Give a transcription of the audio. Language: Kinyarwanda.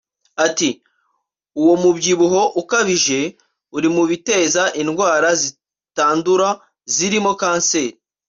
Ati “Uwo mubyibuho ukabije uri mu bitera za ndwara zitandura zirimo kanseri